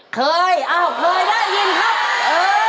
เคยอ้าวเคยได้ยินครับเออ